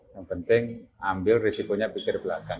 yang penting ambil risikonya pikir belakang